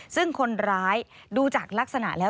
ซึ่งคนร้ายดูจากลักษณะแล้ว